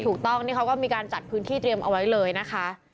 ถูกต้องนี่เขาก็มีการจัดพื้นที่เตรียมเอาไว้เลยนะคะ